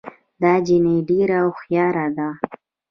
دا جینۍ ډېره هوښیاره ده